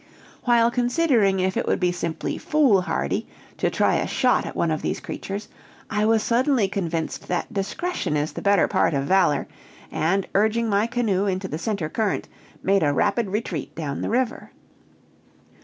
"While considering if it would be simply foolhardy to try a shot at one of these creatures, I was suddenly convinced that discretion is the better part of valor, and urging my canoe into the center current, made a rapid retreat down the river.